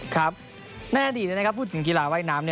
ครับแน่นดีเลยนะครับพูดถึงกีฬาไว้น้ำ